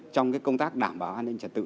trong công tác đảm bảo an ninh trật tự